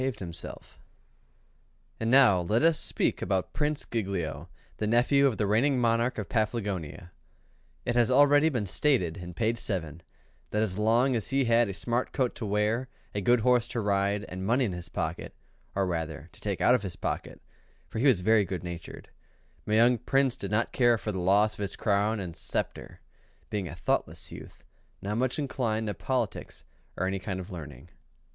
And now let us speak about Prince Giglio, the nephew of the reigning monarch of Paflagonia. It has already been stated, in Chapter II, that as long as he had a smart coat to wear, a good horse to ride, and money in his pocket or rather to take out of his pocket, for he was very good natured my young Prince did not care for the loss of his crown and sceptre, being a thoughtless youth, not much inclined to politics or any kind of learning.